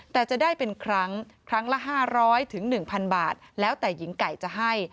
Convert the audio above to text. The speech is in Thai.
แต่จะได้เป็นครั้งครั้งละ๕๐๐๑๐๐บาทแล้วแต่หญิงไก่จะให้